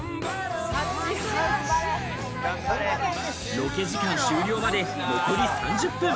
ロケ時間終了まで残り３０分。